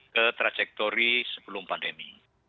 ke trajektori sebelum pandemi